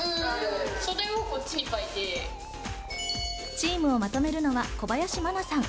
チームをまとめるのは小林茉楠さん。